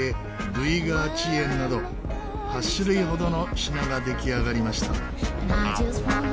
ドゥイガー・チエンなど８種類ほどの品が出来上がりました。